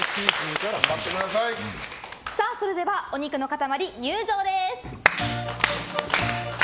それではお肉の塊２ｋｇの入場です。